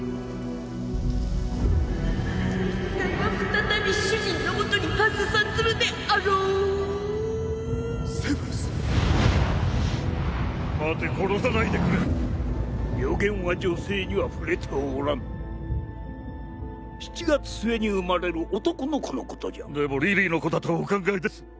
再び主人のもとにはせ参ずるであろうセブルス待て殺さないでくれ予言は女性には触れておらん７月末に生まれる男の子のことじゃでもリリーの子だとお考えです